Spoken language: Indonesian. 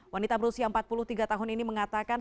wanita berusia empat puluh tiga tahun ini mengatakan